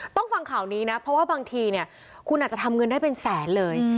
ต้องฟังข่าวนี้นะเพราะว่าบางทีเนี่ยคุณอาจจะทำเงินได้เป็นแสนเลย